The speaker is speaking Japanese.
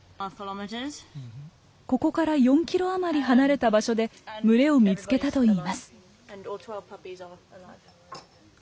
ここから４キロあまり離れた場所で群れを見つけたといいます。